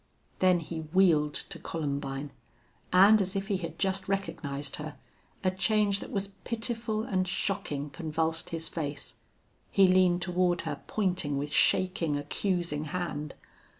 Then he wheeled to Columbine, and as if he had just recognized her, a change that was pitiful and shocking convulsed his face. He leaned toward her, pointing with shaking, accusing hand.